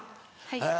はい。